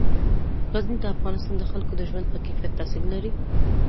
غزني د افغانستان د خلکو د ژوند په کیفیت تاثیر لري.